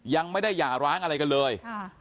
ยังไม่ได้หย่าร้างอะไรกันเลย